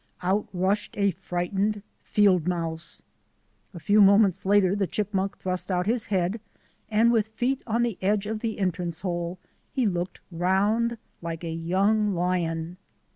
Out rushed a frightened field mouse. A few moments later the chipmunk thrust out his head and with feet on the edge of the entrance hole he looked round like a young lion.